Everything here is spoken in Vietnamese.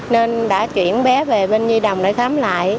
nên đã chuyển bé về bên nhi đồng để khám lại